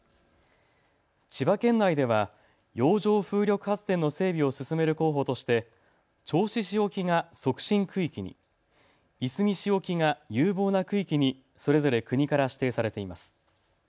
千葉県内では洋上風力発電の整備を進める候補として銚子市沖が促進区域に、いすみ市沖が有望な区域にそれぞれ国から指定されています。